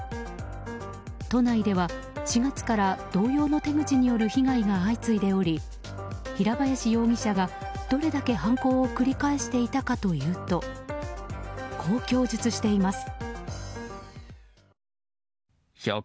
都内では４月から同様の手口による被害が相次いでおり平林容疑者がどれだけ犯行を繰り返していたかというとこう供述しています。